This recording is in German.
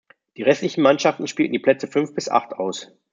Die restlichen Mannschaften spielten die Plätze fünf bis acht aus.